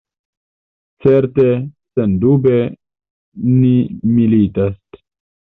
Certe, sendube, ni militas.